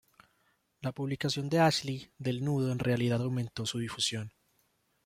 La publicación de Ashley del nudo en realidad aumentó su difusión.